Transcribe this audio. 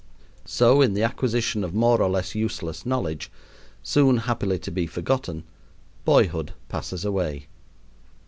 So in the acquisition of more or less useless knowledge, soon happily to be forgotten, boyhood passes away.